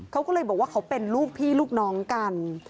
เขาก็เลยบอกว่าเขาเป็นลูกพี่ลูกน้องกัน